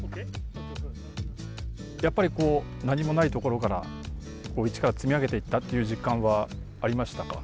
やっぱりこう何もないところから一から積み上げていったっていう実感はありましたか？